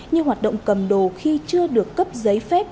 như hoạt động cầm đồ khi chưa được cấp giấy phép